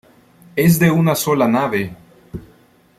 Es de una sola nave.